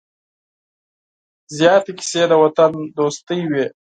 زیاتې کیسې د وطن دوستۍ وې.